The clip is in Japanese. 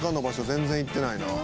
全然行ってないな」